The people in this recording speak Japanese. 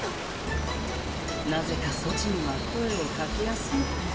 なぜかソチには声をかけやすうての。